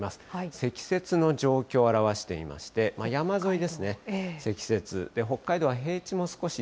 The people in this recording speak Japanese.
積雪の状況を表していまして、山沿いですね、積雪。